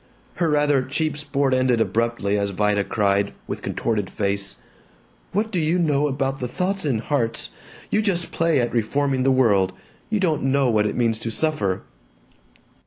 Her rather cheap sport ended abruptly as Vida cried, with contorted face, "What do you know about the thoughts in hearts? You just play at reforming the world. You don't know what it means to suffer."